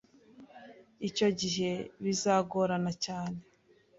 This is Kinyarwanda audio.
Icyo gihe bizagorana cyane